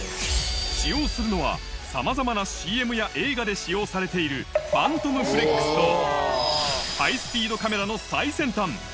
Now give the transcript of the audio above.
使用するのはさまざまなＣＭや映画で使用されているハイスピードカメラの最先端